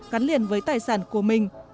gắn lợi gắn lợi gắn lợi